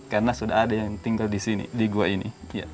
karena sudah ada yang tinggal di sini di gua ini